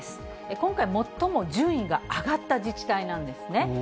今回、最も順位が上がった自治体なんですね。